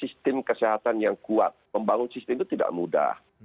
sistem kesehatan yang kuat membangun sistem itu tidak mudah